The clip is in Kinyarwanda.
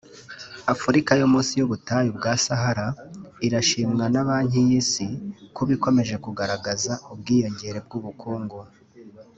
Afurika yo munsi y’ubutayu bwa Sahara irashimwa na banki y’isi kuba ikomeje kugaragaza ubwiyongere bw’ubungu